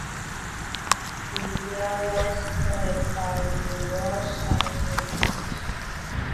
The idea was supported by the World Zionist Organization.